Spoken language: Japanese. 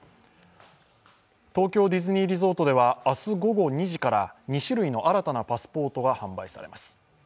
東京ディズニーリゾートでは、明日午後２時から２種類の新たなパスポートが販売されます。